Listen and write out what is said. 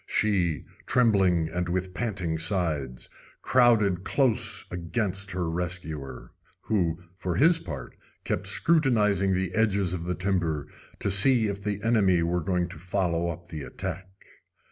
She, trembling and with panting sides, crowded close against her rescuer, who, for his part, kept scrutinizing the edges of the timber to see if the enemy were going to follow up the attack.